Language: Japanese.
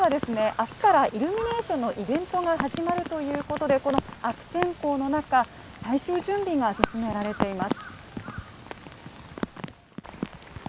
明日からイルミネーションのイベントが始まるということでこの悪天候の中、最終準備が進められています。